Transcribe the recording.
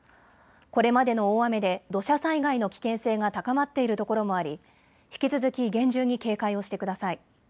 これまでの大雨で土砂災害の危険性が高まっている所もあり引き続き厳重に警戒をしてください。